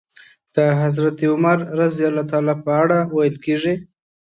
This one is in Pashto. د حضرت عمر رض په اړه ويل کېږي.